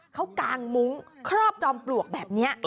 เขากางมุ้งครอบจอมปลวกแบบนี้